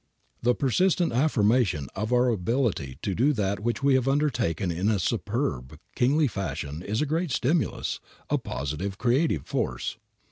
The persistent affirmation of our ability to do that which we have undertaken in a superb, kingly fashion, is a great stimulus, a positive, creative force.